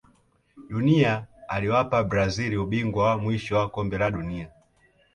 dunia aliwapa brazil ubingwa wa mwisho wa kombe la dunia